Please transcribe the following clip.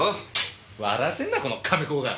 笑わせんなこの亀公が！